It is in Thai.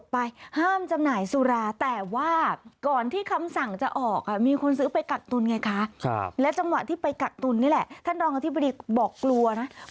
เพราะระหว่างทางคุณต้องแวะอยู่แล้ว